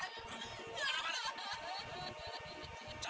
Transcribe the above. makan makan sudah makan aja susah